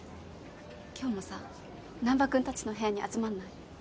今日もさ難破君たちの部屋に集まんない？